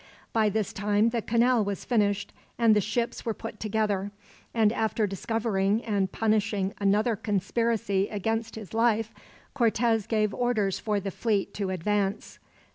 By this time the canal was finished and the ships were put together; and after discovering and punishing another conspiracy against his life, Cortez gave orders for the fleet to advance.